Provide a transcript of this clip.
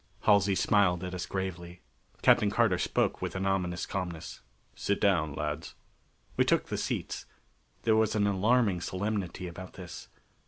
Halsey smiled at us gravely. Captain Carter spoke with an ominous calmness: "Sit down, lads." We took the seats. There was an alarming solemnity about this.